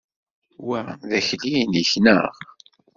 Wa d akli-inek, neɣ?